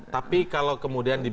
tapi kalau kemudian